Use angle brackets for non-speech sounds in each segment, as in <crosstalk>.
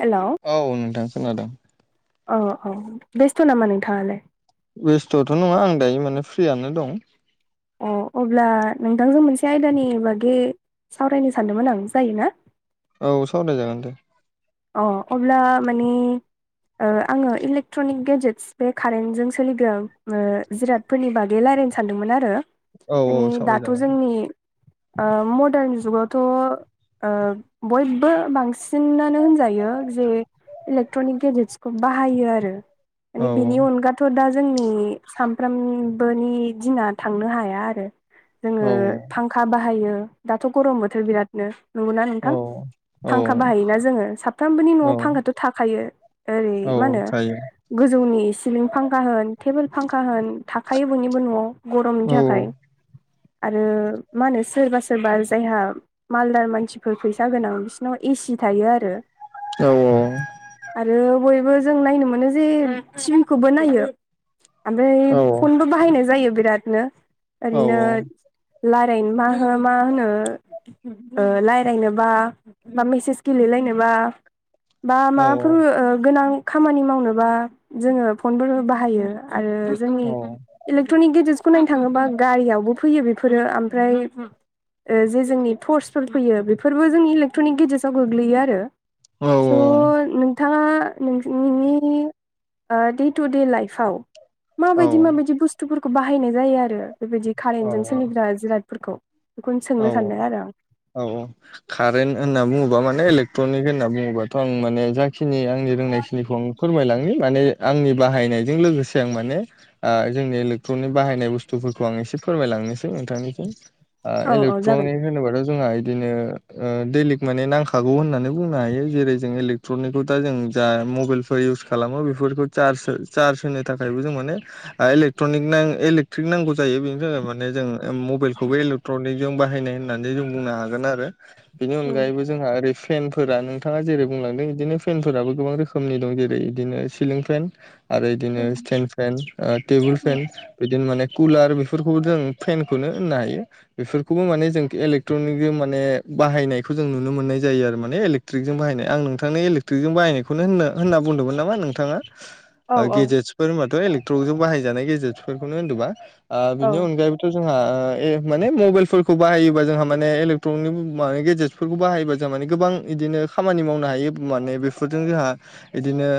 Hello औ नोंथां खोनादों औ औ बेस्थ' नामा नोंथाङालाय? बेस्थ'थ' नङा आं दायो माने फ्रियानो दं अ अब्ला नोंथांजों मोनसे आयदानि बागै सावरायनो सानदोंमोन आं जायोना औ सावराय जागोन दे अ अब्ला मानि ओ आङो इलेक्ट्रनिक गेजेटस बे कारेन्टजों सोलिदों ओ जिरादफोरनि बागै लायरायनो सानदोंमोन आरो औ औ माने दाथ' सावरायजागोन जोंनि ओ मदार्न जुगावथ' ओ बयबो बांसिनानो होन जायो जे इलेक्ट्रनिक गेजेटसखौ बाहायो आरो औ माने बिनि अनगा थ' दा जोंनि सामफ्रामबोनि दिना थांनो हाया आरो औ जोङो फांखा बाहायो दाथ' गरम बोथोर बिरादनो नंगौना औ नोंथां औ फांखा बाहायोना जोङो साफ्रामबोनि औ न'आव फांखाथ' थाखायो ओरै औ मा होनो थायो गोजौनि सिलिं फांखा होन टेबोल फांखा होन थाखायो बयनिबो न'आव गरमनि औ थाखाय आरो मा होनो सोरबा सोरबा जायहा मालदार मानसिफोर फैसा गोनां बिसिनाव एसि थायो आरो। औ औ। आरो बयबो जों नायनो मोनो जे सिबिंखौबो नायो। ओमफ्राय औ फनबो बाहायनाय जायो बिरादनो औ ओरैनो लायरायनो मा हो मा होनो ओ रायलायनोबा बा मेसेज गेलेलायनोबा बा औ माबाफोर गोनां खामानि मावनोबा जोङो फनफोर बाहायो आरो जोंनि औ इलेक्ट्रनिक गेजेटसखौ नायनो थाङोबा गारियावबो फैयो बेफोरो ओमफ्राय जे जोंनि थर्सफोर फैयो बेफोरबो जोंनि इलेक्ट्रनिक गेजेटसाव गोग्लैयो आरो। थ' नोंथाङा नोंनि ओ दे टु दे लाइफआव औ माबायदि माबायदि बुस्थुफोरखौ बाहायनाय जायो आरो बेबायदि कारेन्टजों औ सोलिग्रा जिरादफोरखौ बेखौनो औ सोंनो औ सानबाय आरो आं औ औ कारेन्ट होनना बुङोबा माने इलेकट्रनिक होनना बुङोबाथ' आं माने जाखिनि आंनि रोंनाय खिनिखौ फोरमायलांनि माने आंनि बाहायनायजों लोगोसे आं माने जोंनि इलेक्ट्रनिक बाहायनाय बुस्थुफोरखौ आं एसे फोरमायलांनोसै नोंथांनिसिम। औ औ जागोन। इलेक्ट्रनिक होनोबाथ' जोंहा इदिनो दैडेलिक माने नांखागौ होननानै बुंनो हायो जेरै जों इलेकट्रनिकखौ दा जों जा मबाइल इउस खालामो बेफोरखौार् चार्ज होनो थाखायबो जों माने इलेक्ट्रनिक इलेकट्रिक नांगौ जायो बेनि थाखाय माने जों मबाइलखौबो ट्रनिक जों बाहायनाय होननानै जों बुंनो हागोन आरो बेनि उम अनगायैबो जोंहा ओरै फेनफोरा नोंथाङा जेरै बुंलांदों बिदिनो फेनफोराबो गोबां रोखोमनि दं जेरै बिदिनो आरो बिदिनो उम स फेन टेबोल उम फेन बिदिनो माने कुलार बेफोरखौबो जों फेनखौनो होननो हायो। बेफोरखौबो माने जों इलेकट्रनिक माने बाहायनायखौ जों नुनो मोननाय जायो आरो मानेल इेट्रिकजों बायनाय आं नोंथांनि इलेक्ट्रिकजों बाहायखौनो होनना बुंदोंमोन नामा नोंथाङा <inaudible> गेजेट्सफोर होनबाथ' इलेक्ट्रनिक जजों बाहायजानाय गेजेटस फोरफोरखौनो होनदोंबा औ बिनि अनगायैबो जोंहा माने मबाइलफोरखौ बाहायोबा जोंहा माने इलेक्ट्रनिकनि मे गेजेटसफोरखौ बाहायोबा जोंहा माने गोबां बिदिनो खामानि मावनो हायो माने बेफोरजों जोंहा बिदिनो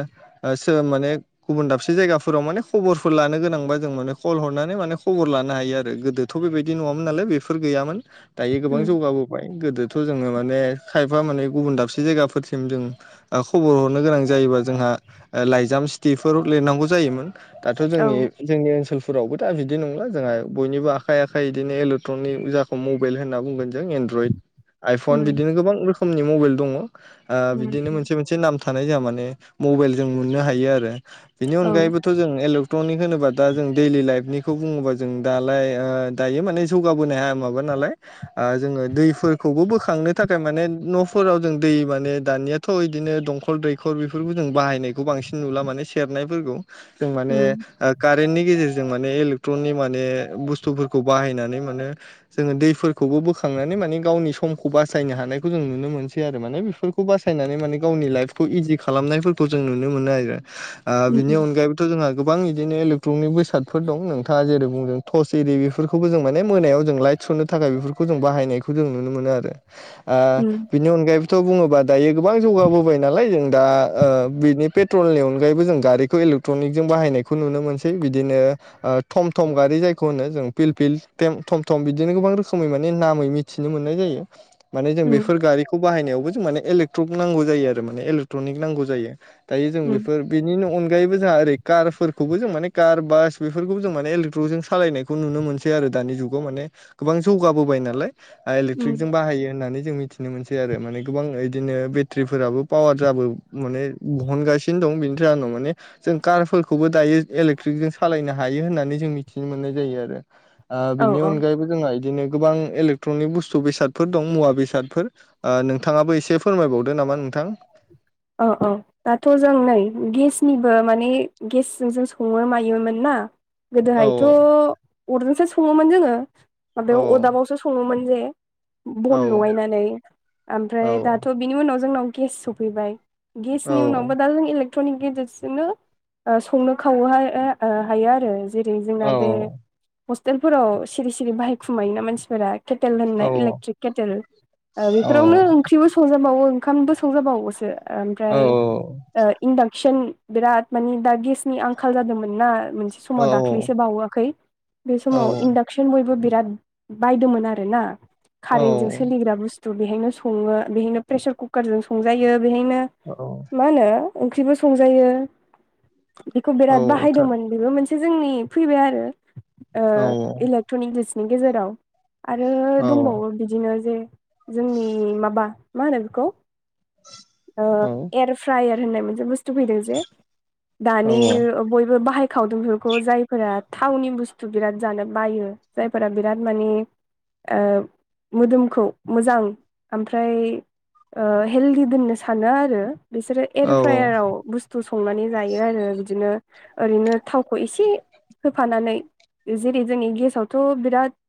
सोर माने गुबुन दाबसे जायगाफोराव माने खबरफोर लानो गोनांबा जों माने कल हरनानै माने खबर लानो हायो आरो गोदो थ' बेबायदि नङामोन नालाय बेफोर गैयामोन दायो गोबां उम जौगाबो फाय गोदोथ' जोङो माने खायफा माने गुबुन दाबसे जायगाफोरसिम जों खबर हरनो गोनां जायोबा जोंहा लाइजाम सिथफोर लिरनांगौ जायोमोन। दाथ' औ जोंनि जोंनि ओनसोलफोरावबो दा बिदि नंला जोंहा बयनिबो आखाइ आखाइ बिदिनो इलेकट्रनिकजाखौ मबाइल होनना बुंगोन जों एनड्रयद आइफन उम बिदिनो गोबां रोखोम म द बिदिनो उम मोन मोनसे नाम थानाय जों माने मबाइल जों मोननो हायो आरो बेनि औ अनगायैबो थ' जों इलेक्ट्र'निक होनोबा दा जों दैलि लाइफनिखौ बुङोबा जों दालाय दायो माने जौगाबोनो हाया माबा नालाय जोङो दैफोरखौबो बोखांनो थाखाय माने न'फोराव जों दै माने दानिया थ' इदिनो दंखल दैखर बेफोरखौ जों बाहायनायखौ बांसिन नुला माने सेरनायफोरखौ जों माने उम कारेन्टनि गेजेरजों माने इलेक्ट्रनि माने बुस्थु खौ बाहायनानै माने जोङो दैफोरखौबो बोखांनानै माने गावनि समखौ बासायनो हानायखौ जों नुनो मोनसै आरो माने बेफोरखौ खौ बासायनानै माने गावनि लाइफखौ इजि खालामनायफोरखौ जों नुनो मोनो आरो। उम बिनि उम अनगायैबोथ' जोंहा गोबां बिदिनो इलेकट्रनिक बेसादफोर दं नोंथाङा जेरै बुंदों टर्स एरि बेफोरखौबो जों माने मोनायाव जों लाइट सरनो थाखाय बेफोरखौ जों बाहायनायखौ जों नुनो मोनो आरो। उम बिनि अनगाय थ' बुङोबा दायो गोबां जौगाबोबाय नालाय जों दा ओ बिनि पेट्रलनि अनगायैबो जों गारिखौ एले एक्ट्रनिक जों बाहायनायखौ नुनो मोनसै बिदिनो थम थम गारि जायखौ होनो जों पिल पिल थम थम बिदिनो गोबां रोखोमै माने नामै मिथिनो मोननाय जायो। माने जों बेफोर गारिखौ बाहायनायावबो जों माने इलेक्ट्रक नांगौ जायो आरो माने इलेकट्रनिक नांगौ जायो। दायो जों उम बेफोर बेनि अनगायैबो जोंहा ओरै कारफोरखौबो जों माने कार बास बेफोरखौबो जों माने इलेक्ट्रकजों सालायनायखौ नुनो मोनो आरो दानि जाव माने गोबां जौगाबोबाय नालाय इलेकट्रिक उम जों बाहायो होननानै मि थनो मोनसै आरो माने गोबां बिदिनो बेटारिफोराबो पावार जाबो माने बहनगासिनो दं बिनि जाहोनाव माने जों कारफोरख खौबो दायो इलेक्ट्रिकजों सालायनो हायो होननानै जों मिथिनो मोननाय जायो आरो। औ बिनि औ अनगायैबो जोंहा बिदिनो गोबां इलेक्ट्रनिक बुस्थु बेसादफोर दं मुवा बेसादफोर आ नोंथाङाबो एसे फोरमायबावदो नामा नोंथां? अ अ। दाथ' जों नै गेसनिबो माने गेसजों जों सङो मायोमोन ना औ गोदोहायथ' अरजोंसो सङोमोन जोङो औ माबायाव औ अरदाबावसो सङोमोन जे बन औ लगायनानै ओमफ्राय दाथ' बिनि उनाव जोंनाव गेस सफैबाय गेसनि औ उनावबो दा जों इले ट'नि गेजेरजोंनो ओ संनो खावो ओ हायो आरो जेरै जोंना बे हस्टेलफोराव सिरि सिरि बाहायखुमायोना मानसिफोरा केेटेल होननाय इलेक्ट्रिक केटेल ओ बेफोरावनो ओंख्रि बो संजाबावो ओंखामबो संजाबावोसो ओमफ्राय ओ इन्डाक्सन बिराद माने दा गेसनि आंखाल जादोंमोन ना मोनसे समाव दाख्लै दाख्लैसो बाावाखै बे समाव इन्डाकसन बयबो बिराद बायदोंमोन आरोना कारेन्टजों सोलिग्रा बुस्थु बेहायनो सङो बेहायनो प्रेसार कुकारजों संजायो बेहायनो औ मा होनो ओंख्रिबो संजायो बेखौ बिराद बाहायदोंमोन बेबो मोनसे एसे जोंनि फैबाय आरो ओ इलेक्ट्रनिक गेसनि गेजेराव आरो दंबावो बिदिनो जे जोंनि माबा मा होनो बेखौ ओ एयार फ्रायार होननाय मोनसे बुस्थु फैदों जे दानि बयबो बाहाय खावदुमफोरखौ जायफोरा थावनि बुस्थु बिराद जानो बायो जायफोरा बिराद माने ओ मोदोमखौ मोजां ओमफ्राय ओ हेलदि दोननो सानो आरो बिसोरो एयार फ्रायाराव बुस बुसथु संनानै जायो आरो बिदिनो ओरैनो थावखौ एसे होफानानै जेरै जोंनि गेसावथ' बिराद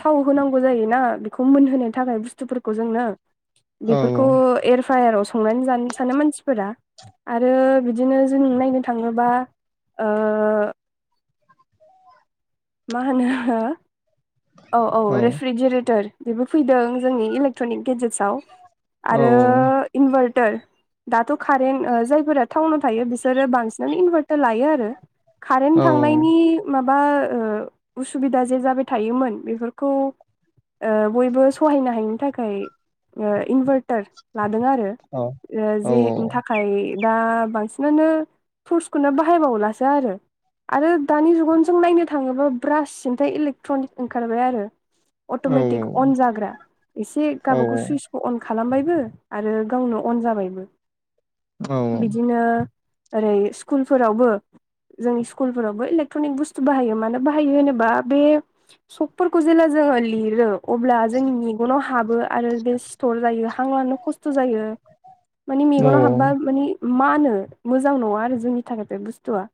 थाव होनांगौ जायोना बेखौ मोनहोनायनि थाखाय बुस्थुफोरखौ जोंनो बेफोरखौ एरफायाराव संनानै जानो सानो मानसिफोरा आरो बिदिनो जों नायनो थाङोबा ओ मा होनो औ औ रेफ्रिजेरेटर बेबो फैदों जोंनि इलेक्ट्रनिक गेजेटसआव आरो इनभार्टार दाथ' कारेन्ट ओ जायफोरा टाउनाव थायो बिसोरो बांसिनावानो इनभार्टार लायो आरो कारेन्ट थांनायनि माबा ओ उसुबिदा जे जाबाय थायोमोन बेफोरखौ ओ बयबो सहायनो हायैनि थाखाय इनभार्टार लादों आरो। ओ जे था थाखाय दा बांसिनानो टरसखौनो बाहायबावलासो आरो आरो दानि जुगाव जों नायनो थाङोब्ला ब्रास सिमथाय इलेक्ट्रनिक ओंखारबाय आरो। अट'मेटिक अन जाग्रा एसे गावबागाव सुइस अन खालामबायबो आरो गावनो अन जाबायबो बिदिनो ओरै स्कुलफोरावबो जोंनि स्कुलफोरावबो इलेकट्रनिक बुस्थु बाहायोमोन। मानो बाहायो होनोबा बे सकफोरखौ जेला जोङो लिरो अब्ला जोंनि मेगनाव हाबो आरो बे सिथर जायो हांलानो खस्थ' जायो। मानि मेगन हाबबा माने मानो मोजां नङा आरो जोंनि थाखाय बे बुस्थुआ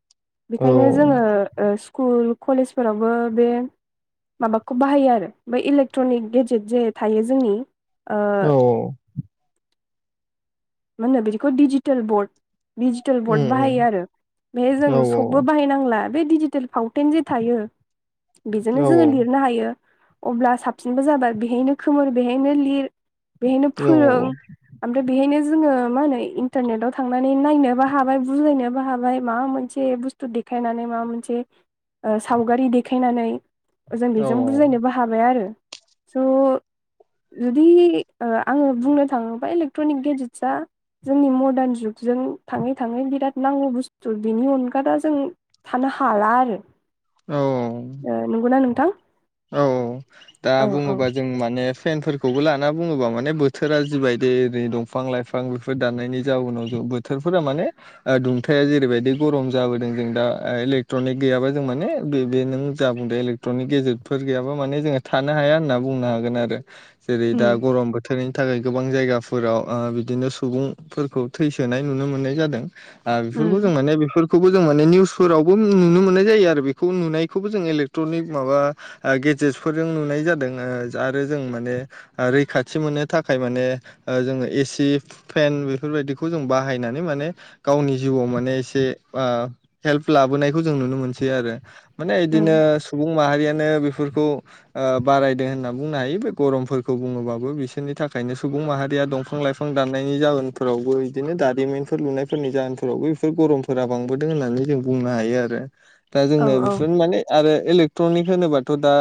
बेखायनो जोङो ओ स्कुल कलेजफोरावबो बे माबाखौ बाहायो आरो ब इलेक्ट्रनिक गेजेट जे थायो जोंनि। ओ औ औ मा होनो बिदिखौ डिजिटेल बर्ड डिजिटेल बर्ड बाहायो आरो बेहाय जों सकबो बाहायनांला। बे डिजिटेल फाउन्टेन जे थायो बेजोंनो जोङो लिरनो हायो। अब्ला साबसिनबो जाबाय बेहायनो खोमोर बेहायनो लिर बेहायनो फोरों। ओमफ्राय बेहायनो जोङो मा होनो इन्टारनेटाव थांनानै नायनोबो हाबाय बुजायनोबो हाबाय माबा मोनसे बुस्थु देखायनानै माबा मोनसे सावगारि देखायनानै जों बेजों बुजायनोबो हा हाबाय आरो। स' जुदि ओ आङो बुंनो थाङोबा इलेक्ट्रनिक गेजेटसआ जोंनि मदार्न जुगजों थाङै थाङै बिराद नांगौ बुस्थु बिनि अनगा दा जों थानो हाला आरो। नंगौना नोंथां? औ दा औ औ बुङोबा जों माने फेनफोरखौ खौबो लाना बुङोबा माने बोथोरा जिबायदि ओरै दंफां लाइफां बेफोर दाननायनि जाउनाव जोबोद बोथोरफोरा माने दुंथाया जेरैबायदि गरम जाबोदों जों दा इलेकट्रनिक जों माने बे नों जा बुंदों इलेकट्रनिक गेजेटफोर गैयाबा माने जोङो थानो हाया होनना बुंनो हागोन आरो। जेरै दा उम गरम बोथोर। बोथोरनि थाखाय गोबां जायगाफोराव बिदिनो सुबुंफोरखौ थैसोनाय नुनो मोननाय जादों। बेफोरखौ जों उम माने बेफोरखौबो जों माने निउसफोरावबो नुनो मोन्नाय जायो आरो बेखौ नुनायखौबो जों इलेक्ट्र'निक माबा गेजेटसफोरजों नुनाय जादों आरो जों माने रैखाथि मोननो थाखाय माने जोङो एसि फेन बेफोरबायदिखौ जों बाहायनानै माने गावनि जिउआव माने एसे बा हेल्प लाबोनायखौ जों नुनो मोनसै आरो। माने उम बिदिनो सुबुं माहारियानो बेफोरखौ बारायदों होनना बुंनो हायो बे गरमफोरखौ बुङोबाबो बिसोरनि थाखायनो सुबुं माहारिया दंफां लाइफां बिफां दाननायनि जाहोनफोरावबो बिदिनो दारिमिनफोर लुनायफोरनि जाहोनफोरावबो बेफोर गरम फोर बांबोदों होननानै जों बुंनो हायो आरो दा औ जोङो औ बेफोरनो माने आरो इलेक्ट्रनिक होनोबाथ' दा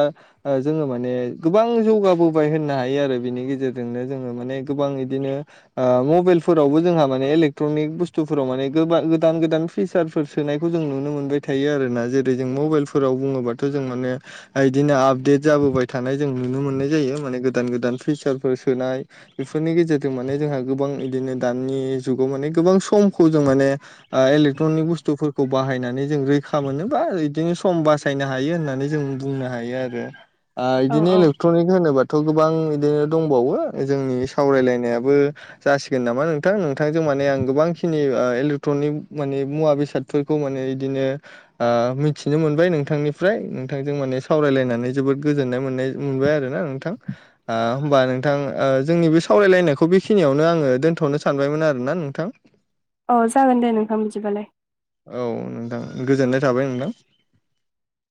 जोङो माने गोबां जौगाबोबाय होननो हायो आरो बिनि गेजेरजोंनो जोङो माने गोबां बिदिनो। ओ मबाइलफोरावबो जोंहा माने इलेक्ट्रनिक बुस्थुफोराव माने गोबां गोदान गोदान फिसारफोर सोनायखौ जों नुनो मोनबाय थायो आरोना जेरै जों मबाइलफोराव बुङोबाथ' जों माने बिदिनो आपडेट जाबोबाय थानाय जों नुनो मोननाय जायो माने गोदान गोदान फिचारफोर सोनाय। बेफोरनि गेजेरजों माने जोंहा गोबां बिदिनो दानि जुगाव माने गोबां समखौ जों माने इलेक्ट्रनिक बुस्थुफोरखौ बाहायनानै जों रै खा मोनोबा बिदिनो सम बासायनो हायो होननानै जों बुंनो हायो आरो। आ औ बिदिनो औ एलेक्ट्रनिक होनोबाथ' गोबां बिदिनो दंबावो जोंनि सावरायलायनायाबो जासिगोन नामा नोंथां नोंथांजों माने आं गोबांखिनि इलेक्ट्रनिक माने मुवा बेसाद फोरखौ मोनो बिदिनो मिथिनो मोनबाय नोंथांनिफ्राय नोंथांजों माने सावरायलायनानै जोबोद गोजोननाय मोननाय मोनबाय आरोना नोंथां। आ होमबा नोंथां जोंनि बे सावरायलायनायखौ बेखिनियावनो आङो दोनथ'नो सानबायमोन आरो ना नोंथां। अ जागोन दे नोंथां बिदिबालाय। औ नोंथां गोजोननाय थाबाय नोंथां।